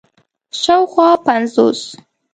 شاوخوا پنځوس